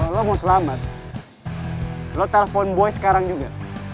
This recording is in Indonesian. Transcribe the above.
lo mau selamat lo telpon boy sekarang juga